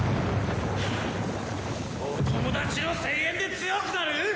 お友達の声援で強くなる？